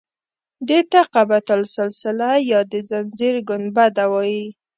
دې ته قبة السلسله یا د زنځیر ګنبده وایي.